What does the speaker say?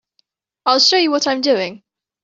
I'll show you what I'm doing.